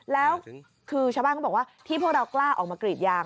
แล้วคือชาวบ้านเขาบอกว่าที่พวกเรากล้าออกมากรีดยาง